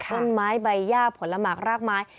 ต้นไม้ใบย่าผลหมากรากไม้